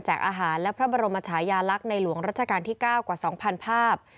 อาหารและพระบรมชายาลักษณ์ในหลวงรัชกาลที่๙กว่า๒๐๐ภาพ